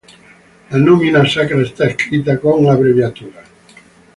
La nomina sacra está escrita con abreviaturas.